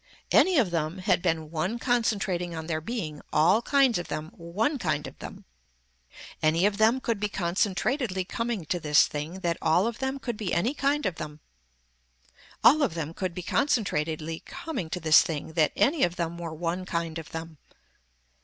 Any of them had been one concentrating on their being, all kinds of them, one kind of them. Any of them could be concentratedly coming to this thing that all of them could be any kind of them. All of them could be concentratedly coming to this thing that any of them were one kind of them.